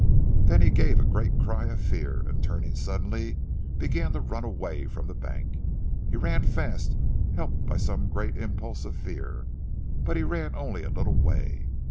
Then he gave a great cry of fear, and turning suddenly began to run away from the bank. He ran fast, helped by some great impulse of fear, but he ran only a little way.